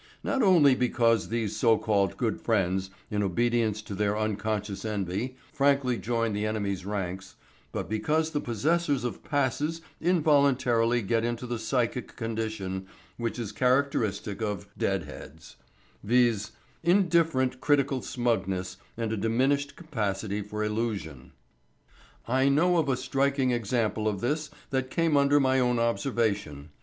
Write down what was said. Not only because these so called good friends, in obedience to their unconscious envy, frankly join the enemy's ranks, but because the possessors of passes involuntarily get into the psychic condition which is characteristic of "dead heads," viz: indifferent critical smugness and a diminished capacity for illusion. I know of a striking example of this that came under my own observation.